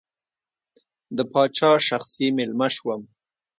د پاچا شخصي مېلمه شوم.